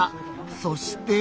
そして。